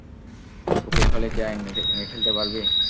উকিল হলেই কি আইন নিয়ে খেলতে পারবি?